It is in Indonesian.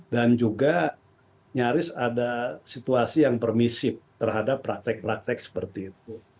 dan juga nyaris ada situasi yang permisif terhadap praktek praktek seperti itu